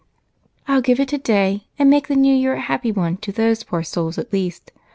"I'll give it today, and make the new year a happy one to those poor souls at least.